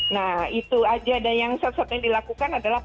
nah itu aja dan yang sesuatu yang dilakukan adalah